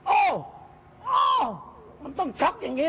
โอ้โอ้มันต้องช็อคอย่างนี้